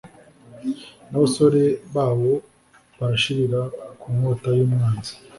n'abasore bawo barashirira ku nkota y'umwanzi